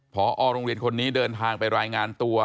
พอโรงเรียนคนนี้เดินทางไปรายงานตัว